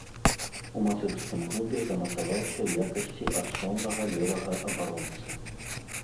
У мазырскім клубе замацаваўся ў якасці асноўнага левага абаронцы.